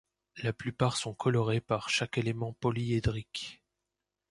La plupart sont colorés par chaque élément polyédrique.